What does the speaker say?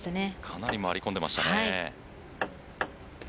かなり回り込んでいましたね。